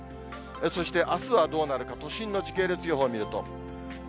そしてあすはどうなるか、都心の時系列予報見ると。